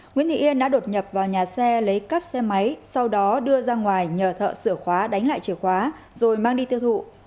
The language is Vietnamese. nguyễn thị yên đã đột nhập vào nhà xe lấy cắp xe máy sau đó đưa ra ngoài nhờ thợ sửa khóa đánh lại chìa khóa rồi mang đi tiêu thụ